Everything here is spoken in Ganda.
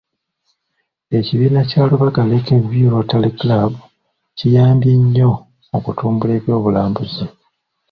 Ekibiina kya Lubaga Lake View Rotary Club kiyambye nnyo mu kutumbula eby'obulambuzi.